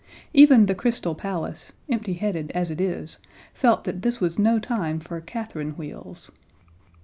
Even the Crystal Palace, empty headed as it is, felt that this was no time for Catherine wheels.